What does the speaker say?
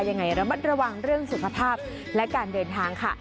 ยังไงระมัดระวังเรื่องสุขภาพและการเดินทางค่ะ